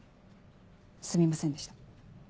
すみませんでした。